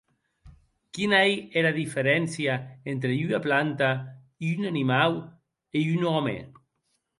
Quina ei era diferéncia entre ua planta, un animau e un òme?